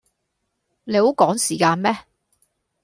你好趕時間咩